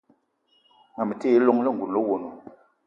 Ma me ti yi llong lengouna le owono.